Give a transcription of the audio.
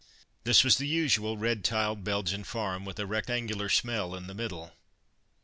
This was the usual red tiled Belgian farm, with a rectangular smell in the middle.